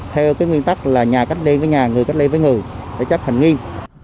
theo cái nguyên tắc là nhà cách ly với nhà người cách ly với người phải chấp hành nghiêm